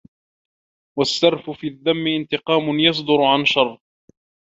وَالسَّرَفُ فِي الذَّمِّ انْتِقَامٌ يَصْدُرُ عَنْ شَرٍّ